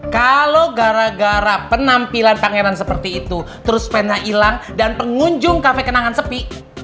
kalau gara gara penampilan pangeran seperti itu terus pennya hilang dan pengunjung kafe kenangan sepi